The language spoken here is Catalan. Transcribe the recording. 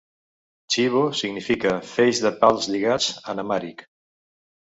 "Chibo" significa "feix de pals lligats" en amhàric.